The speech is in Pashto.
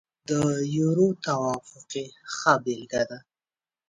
د یورو توافق یې ښه بېلګه ده.